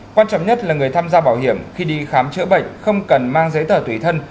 quan trọng nhất là người tham gia bảo hiểm khi đi khám chữa bệnh không cần mang giấy tờ tùy thân